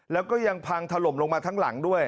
แล้วก็ยังพังถล่มลงมาทั้งหลังด้วย